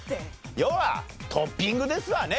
要はトッピングですわね